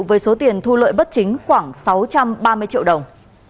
với số tiền thu lợi bất chính khoảng sáu trăm ba mươi triệu đồng